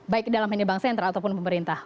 baik dalam hendak bangsa ataupun pemerintah